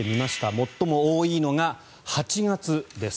最も多いのが８月です。